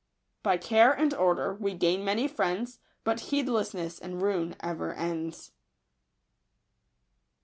By care and order we gain many friends ; But heedlessness in ruin ever ends.